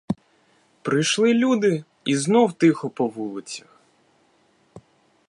Пройшли люди і знов тихо по вулицях.